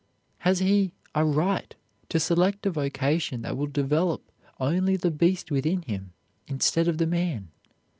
Has he a right to select a vocation that will develop only the beast within him instead of the man?